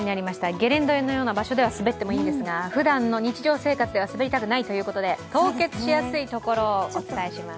ゲレンデのようなところでは滑ってもいいんですが、ふだんの日常生活では滑りたくないということで、凍結しやすいところをお伝えします。